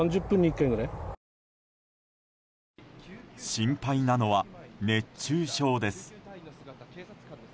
心配なのは熱中症です。